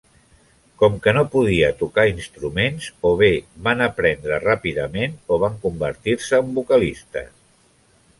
Com que no podia tocar instruments, o bé van aprendre ràpidament o van convertir-se en vocalistes.